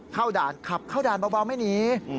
ด่านขับเข้าด่านเบาไม่หนี